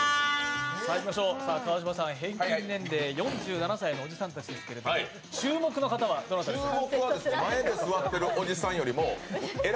川島さん、平均年齢４７歳のおじさんたちですけど注目の方はどなたですか？